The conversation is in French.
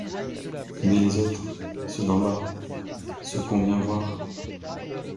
Mais les autres, ceux d'en bas, ceux qu'on vient voir?